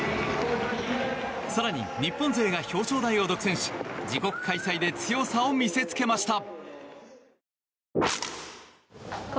更に日本勢が表彰台を独占し自国開催で強さを見せつけました！